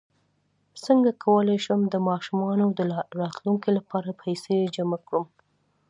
څنګ کولی شم د ماشومانو د راتلونکي لپاره پیسې جمع کړم